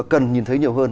cần nhìn thấy nhiều hơn